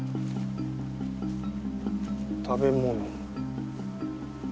食べ物。